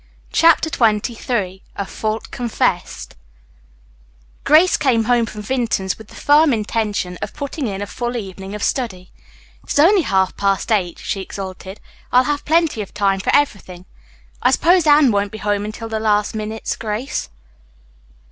CHAPTER XXIII A FAULT CONFESSED Grace came home from Vinton's with the firm intention of putting in a full evening of study. "It is only half past eight," she exulted. "I'll have plenty of time for everything. I suppose Anne won't be home until the last minute's grace."